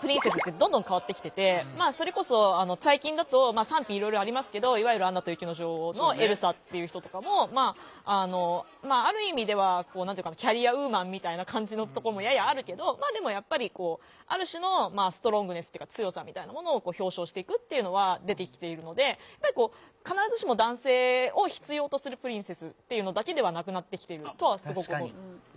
プリンセスってどんどん変わってきててまあそれこそ最近だと賛否いろいろありますけどいわゆる「アナと雪の女王」のエルサっていう人とかもまあある意味ではキャリアウーマンみたいな感じのところもややあるけどまあでもやっぱりある種のストロングネスっていうか強さみたいなものを表象していくっていうのは出てきているので必ずしも男性を必要とするプリンセスっていうのだけではなくなってきてるとはすごく思う。